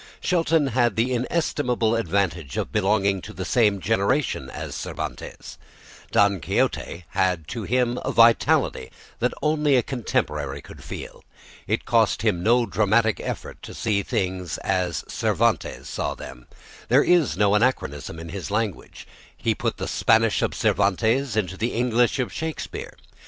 Shelton had the inestimable advantage of belonging to the same generation as Cervantes; "Don Quixote" had to him a vitality that only a contemporary could feel; it cost him no dramatic effort to see things as Cervantes saw them; there is no anachronism in his language; he put the Spanish of Cervantes into the English of Shakespeare.